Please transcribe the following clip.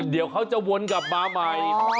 เดี๋ยวเขาจะวนกลับมาใหม่